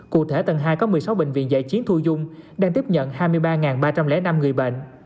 cụ thể tầng hai có một mươi sáu bệnh viện giải chiến thu dung đang tiếp nhận hai mươi ba ba trăm linh năm người bệnh